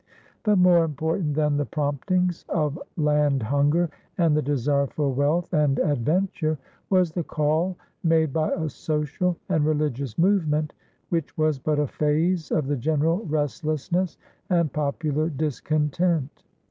But more important than the promptings of land hunger and the desire for wealth and adventure was the call made by a social and religious movement which was but a phase of the general restlessness and popular discontent.